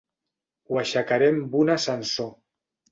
Ho aixecaré amb un ascensor.